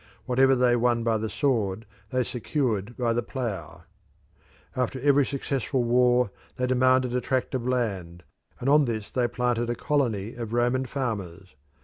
Whatever they won by the sword they secured by the plough. After every successful war they demanded a tract of land, and on this they planted a colony of Roman farmers.